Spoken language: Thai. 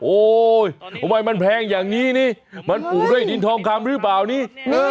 ทำไมมันแพงอย่างนี้นี่มันปลูกด้วยดินทองคำหรือเปล่านี่